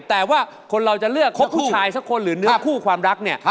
แต่ว่าคนเราจะเลือกคบผู้ชายสักคนหรือเนื้อคู่ความรักเนี่ย